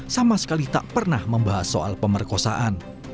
sama sekali tak pernah membahas soal pemerkosaan